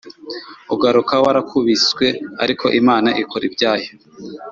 Ugakura warakubiswe ariko Imana ikora ibyayo